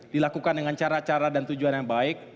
dilakukan dengan cara cara dan tujuan yang baik